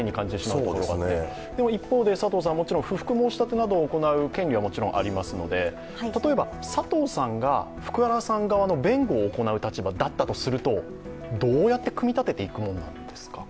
一方で、もちろん不服申し立てなどを行う権利はありますので、例えば佐藤さんが福原さん側の弁護を行う立場だったとするとどうやって組み立てていくものなんですか？